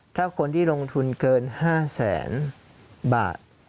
ถ้าคนที่ลงทุนเกิน๕แสนบาท